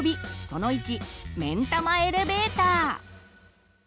その１「めんたまエレベーター」。